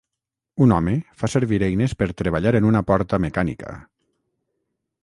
Un home fa servir eines per treballar en una porta mecànica.